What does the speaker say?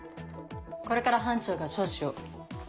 これから班長が聴取を。